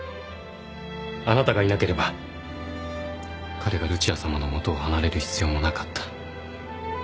あなたがいなければ彼がルチアさまの下を離れる必要もなかった。